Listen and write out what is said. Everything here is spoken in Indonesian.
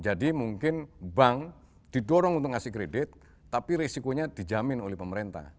jadi mungkin bank didorong untuk ngasih kredit tapi risikonya dijamin oleh pemerintah